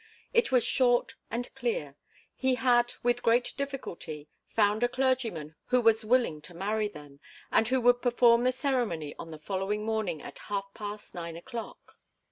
It was short and clear. He had, with great difficulty, found a clergyman who was willing to marry them, and who would perform the ceremony on the following morning at half past nine o'clock.